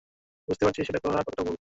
বুঝতে পারছিস এটা করা কতটা ভুল?